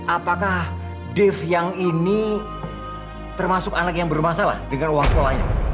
apakah dave yang ini termasuk anak yang bermasalah dengan uang sekolahnya